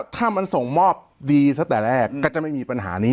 ถ้ามันส่งมอบดีซะแต่แรกก็จะไม่มีปัญหานี้